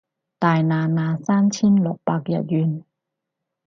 大拿拿三千六百日圓